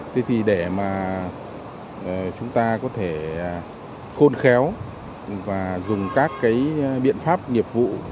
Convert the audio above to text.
thế thì để mà chúng ta có thể khôn khéo và dùng các cái biện pháp nghiệp vụ